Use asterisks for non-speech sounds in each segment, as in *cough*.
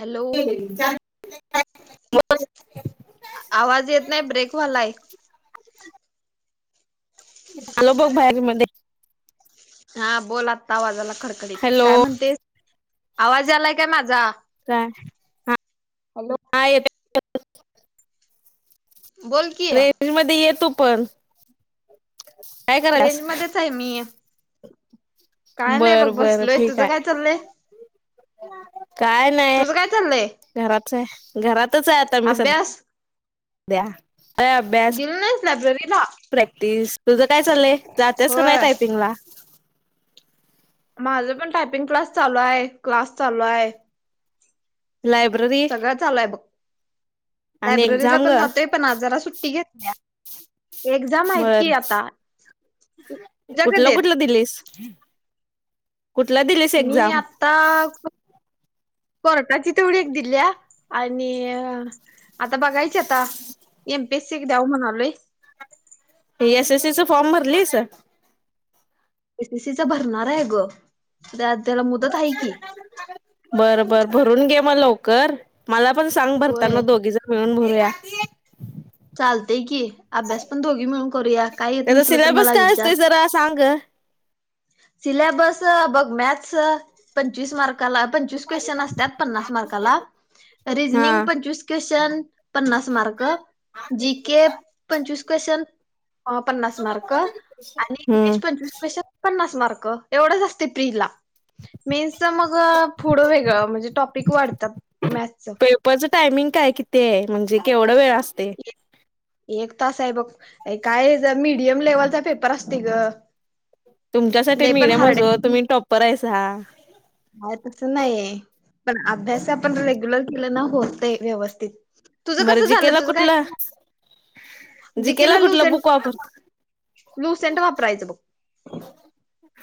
Hello *unintelligible* आवाज येत नाही ब्रेक व्हलाय. आलो बघ बाहेरी मध्ये हा बोल आता आवाज आला. खडखडीत, हॅलो काय म्हणतेस, आवाज यालाय काय माझा? काय हॅलो *unintelligible* बोल की रेंज मध्ये ये तु पण. काय करायल्यास? रेंज मध्येच आहे मी काय नाही बघ बर बर बसलोय ठीक तुझं काय आहे. चाललंय काय नाही तुझं काय चाललंय घरात आहे घरातच आहे आता मी सध अभ्यास ध्या. गेल नाही लाब्ररीत. प्रॅक्टिस तुझं काय चाललंय जातेस का नाही होय टायपिंग ला. माझं पण टायपिंग क्लास चालू आहे, क्लास चालू आहे. लायब्ररी. सगळं चालू आहे बघ आणि लायब्ररीला एक्झाम पण ग जातोय, पण आज‌ जरा सुट्टी घेतलीया. बर! तुझ्या कधी कुठलं आहेत कुठलं दिलीस. कुठला दिलेस मी एक्झाम? कोटाची तेवडी एक दिल्या. आणि आता बघायची आता. एमपियसि द्याव म्हणालय. हे एसएससी च फॉर्म भरलिस एसीसीचा भरणार आहे ग! त्याला मुदत आहे की बर बर बर! भरून घे मग लवकर, मला पण सांग भरताना, होय दोघी जण मिळून भरूया. चालतेय की अभ्यास पण दोघी मिळून करूया, काय येत त्याचा नसल तर सिलेबस मला काय विचार. असतोय जरा सांग ग. सिलेबस बघ मॅथस पंचवीस मार्क क्लासला पंचवीस क्वेशन असतात पन्नास मार्क्सला तरी रिजनींग हा पंचवीस क्वेश्न पन्नास मार्क जी के पंचवीस क्वेशन, पन्नास मार्क आणि हम्म इज पंचवीस क्वेशन, पन्नास मार्क एवढं जास्त प्रिला. मेन्सच मग पुढं वेगळं म्हणजे टॉपिक वाढतं मॅथच पेपरचं टायमिंग काय किती आहे म्हणजे केवढा वेळ असते एक तास आहे बघ काय ज मीडियम लेवलचा पेपर असतंय गं. तुमच्यासाठी मिडम असो तुम्ही टॉप्पर आहे सा काय तस नाही पण अभ्यास आपण रेग्युलर केले ना होतय व्यवस्थित. तुझं बरं कसं झालं जीकेला तुझं काय कुठलं जीकेला जिकला लूस कुठलं बुक वापरता लूसेंट वापरायचं ब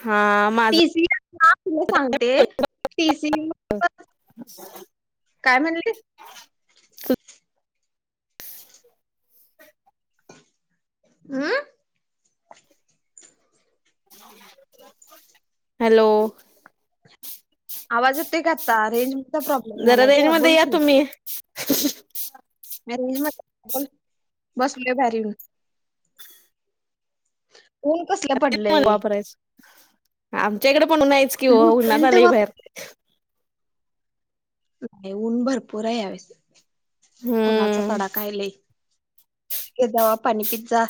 हा माझं टीसी ना तुला सांगते टीसी काय म्हणलीस हम! हॅलो! आवाज येतोय का आता? रेंज जरा रेंज मध्ये या तुम्ही. मी रेंज मधे बसलेय बाहेर येऊन. ऊन कसलं पडलंय वापरायच. आमच्या इकडे पणून नाहीच की हो उन्हात लुसेंट आलाय बाहेर. वापर नाही ऊन भरपूर आहे यावेळीस उन्हाचा हम्म तडाकालाय. के जावा पानी पितजा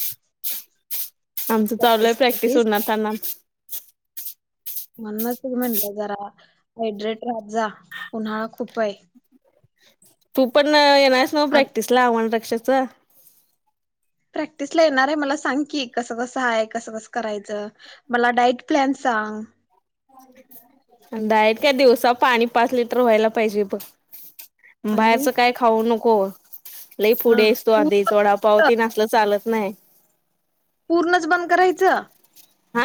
आमचं चालू आहे प्रॅक्टिस उन्हातानात. म्हणणच म्हणलं जरा हैड्रेड राजात जा, उन्हाळा खूप आहे. तू पण येणारस नव आज प्रॅक्टिस ला आव्हाण रक्षाच. प्रॅक्टिसला येणार आहे मला सांग की कस कसं आहे. कसं कसं करायचं. मला डाईट प्लॅन सां डायट का दिवसा पाणी पाच लिटर व्हायला पाहिजे बस आणि बाहेरच काही खाऊ नको, लई हा पुढे आहेस तू आधीच वडापाव पूर्णच ते असलं चालत नाही पूर्णच बंद करायचं? हा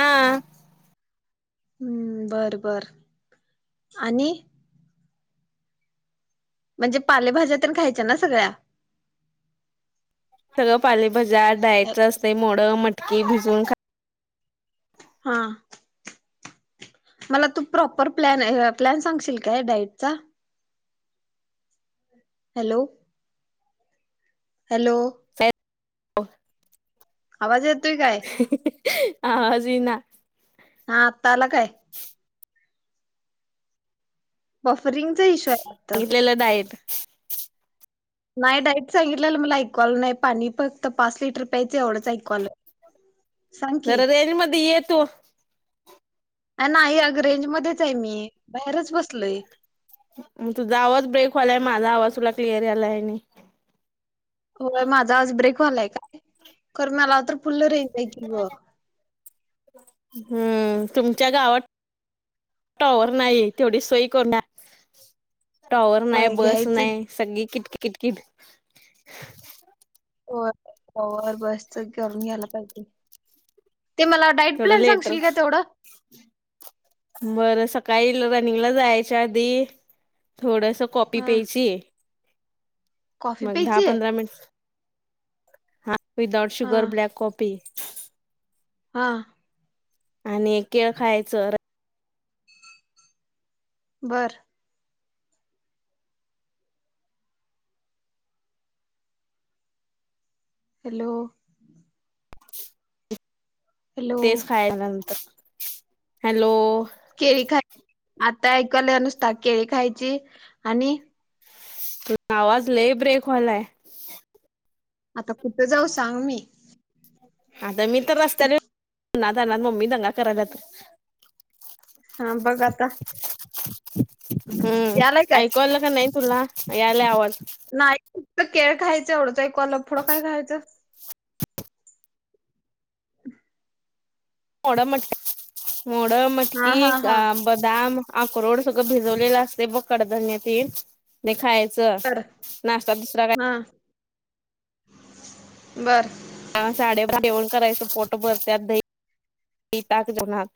हम्म बरं बर आणि, म्हणजे पालेभाज्या ते न खायच्या ना सगळ्या सगळं पालेभाज्या डाईट असते मोड मटकी भिजून खा हा. मला तू प्रॉपर प्लॅन ह प्लॅन सांगशील काय डाईटचा. हॅलो. हॅलो. ह. आवाज येतोय काय. आवाज इना. हा आता आला काय? ऑफरिंगचा इश्यू आहे वाटतं सांगितलेलं डायट. नाही डाईट सांगितलेलं मला ऐकू आलं नाही पाणी फक्त पाच लिटर प्यायचं एवढंच ऐकू आलं सांग की जरा रेंज मध्ये ये तू नाही अग रेंज मध्येच आहे, मी बाहेरच बसलोय मग तुझा आवाज ब्रेक व्हालाय माझा आवाज तुला क्लिअर यालाय आणि होय माझा आवाज ब्रेक व्हालाय काय खरं मला तर फुल्ल रेंज आहे की ग हुं तुमच्या गावात टॉवर नाहिय तेवढी सोय करा टॉवर नाही, होय बस घ्यायचं की नाही सगळी किट किटकिट. होय टॉवर, बसच करून घ्यायला पाहिजे. ते मला डाईट थोडं प्लॅन लेटर सांगशील का तेवढं? बरं सकाळी रनिंगला जायच्या आधी थोडस कॉपी हा प्यायची कॉफी मग दहा प्यायची आहे. पंधरा मिनट हा विदाउट हा शुगर ब्लॅक कॉफी हा. आणि केळ खायचं. बर, हॅलो हॅलो तेच खाय नंतर हॅलो. केळी खाय आता ऐकू आल्या नुसता केळी खायची आणि त आवाज लई ब्रेक व्हायलाय. आता कुठं जाऊ सांग मी. आता मी तर त रस्त्यावर हाय उन्हातान्हात मम्मी दंगा करायल्यात. हा बघ आता हुं यालाय काय ऐकू आलं का नाही? तुला यायला आवाज, नाही फक्त केळ खायच एवढंच ऐकू आलं पुढ काय खायचं? *inaudible* मोडं मटकी, मोडं हा मटकी, हा हा बदाम अक्रोड सगळं भिजवलेलं असतय बघ कडधान्य तेन ते खायाच. बर च नाश्ता दुसरा काय हा बर. साडेबाराला जेवण करायचं पोटभर त्यात दही ही ताक जेवनात.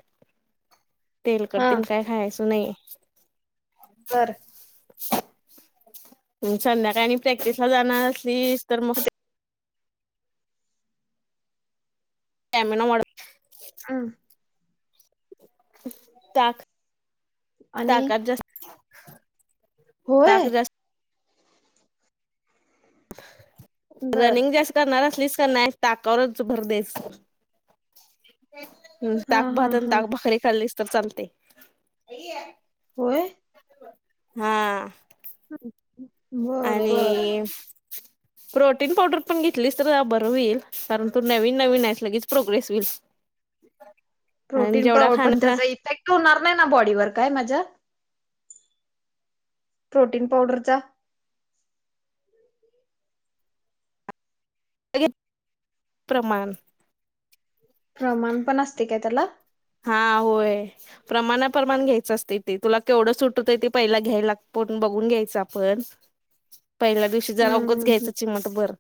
तेलकट् हा तेन काय खायचं नाही. बर. संध्याकाळी आणि प्रॅक्टिस ला जाणार असलीस तर मग स्टॅमिना वाढव की हम ताक आणि ताकात जास्त होय. ताक जास्त बर रनिंग जास्त करणारह्यास असलीस का नाय ताकावरच भर द्यायचं. हुं हा ताक हा भात आणि हा ताक भाकरी खाल्लीस तर चालतंय. होय. हा. *unintelligible* बर बर. आणि *inaudible* प्रोटीन पावडर पण घेतलीस तर बरं होईल कारण तू नवीन नवीन हाईस लगेच प्रोग्रेस होईल. *unintelligible* आणि प्रोटीन जेवढा पाव पण खाण्यात त्याचा ना इफेक्ट होणार नाही ना बॉडीवर काय माझ्या. प्रोटीन पावडरचा. *unintelligible* प्रमाण. प्रमाण पण असतय काय त्याला? हा होय प्रमाणाप्रमाण घ्यायचं असतय ते तुला केवढं सुट होतय ते पहिला घ्यायला कोठून बघून घ्यायचं आपण. पहिल्या दिवशी जर हम्म रगंच हम्म घ्यायचं चिमटभर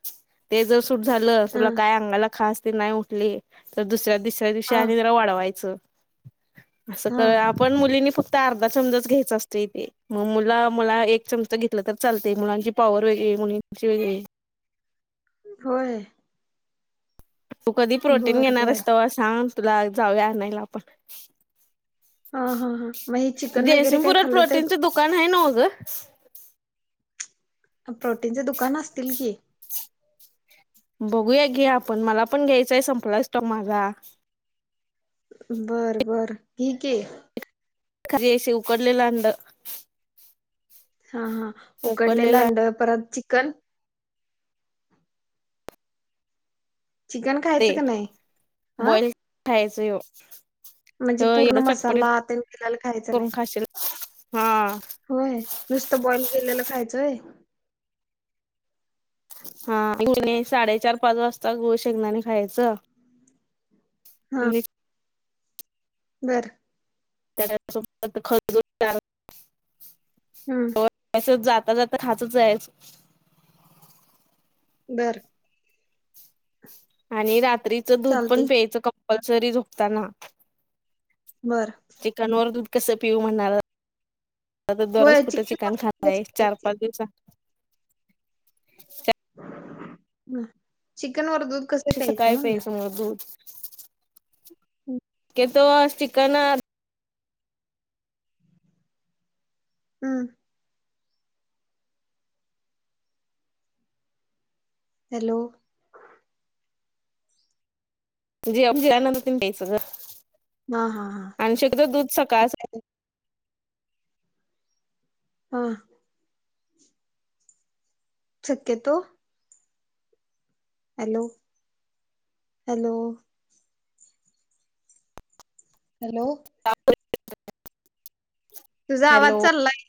ते जर सूट झालं तुला हम्म काय अंगाला खास तेन नाही उठली तर दुसऱ्या, तीसऱ्या दिवशी हा आणि जरा वाढवायचं. असं हा कर हा आपण मुलिंनी फक् त आर्धा चमचाच घ्यायच असतय ते मग मुला मुला एक चमच घेतला तर चालतय मुलांची पावर वेगळी मुलींची वेगळी. होय. तू कधी प्रोटीन बर घेणार बर हाईस तवा सांग तुला जाऊया आणायला आपण. हा हा हा मग हे चिकन वगैरे काय जयसिंगपुरात खाल्लं तर प्रोटीनचं दुकान हाय नवं ग. प्रोटीनचे दुकान असतील की. बघूया घे आपण मला पण घ्यायचंय संपलाय स्टॉक माझा. बर बर ठीके. खरी अशी उकडलेल अंड. हा हा उकडलेलं अंड परत चिकन? चिकन खायचं ते का नाही आ. बॉईल खायचं ह्यो. म्हणजे तर पूर्ण एवढं चटपटीत मसाला ते तिलाला खायच करून नाई. खाशील हा होय नुसत बॉइल केलेल खायचं होय. हा *unintelligible* साडेचार पाच वाजता गूळ शेगदाने खायचं आणि बरं. हम्म *unintelligible* येता जाता खातच जायचं. बरं. आणि रात्रीचं दूध पण चालतंय प्यायचं कंपल्सरी झोपताना. बर चिकनवर दूध कसं पिऊ म्हणा आता दररोज कुठे चिकन खानाराय चार, पाच दिवसा चिकन वर दूध कसं कस काय म्हणलं प्यायचं म दुध हम्म के तो चिकन. हम्म. हॅलो. *unintelligible* तेन प्यायचं ग. हा हा हा आणि शक्यतो दूध सकाळच आता- हा. शक्यतो. Hello hello. हॅलो तुझा हॅलो आवाज चाल्लाय.